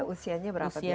usianya berapa biasanya